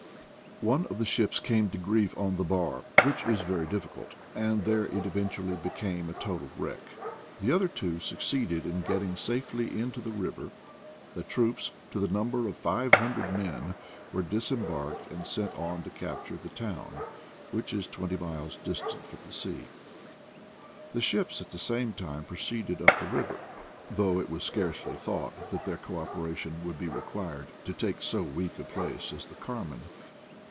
One of the ships came to grief on the bar, which is very diffi cult; and there it eventually became a total wreck. The other two succeeded in getting safely into the river. The troops, to the number of 500 men, were disembarked and sent on to capture the town, which is twenty miles distant from the sea. The ships at the same time proceeded up the river, though it was scarcely thought that their co operation would be required to take so weak a place as the Carmen.